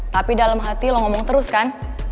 tapi dalam hati lo ngomong terus kan